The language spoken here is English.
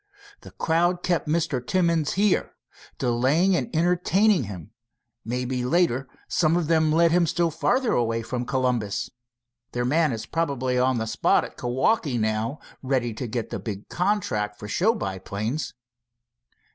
"The crowd kept Mr. Timmins here, delaying and entertaining him. Maybe later some of them led him still further away from Columbus. Their man is probably on the spot at Kewaukee now, ready to get that big contract for show biplanes."